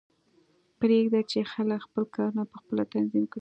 پریږده چې خلک خپل کارونه پخپله تنظیم کړي